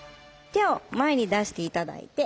手を前に出して頂いて。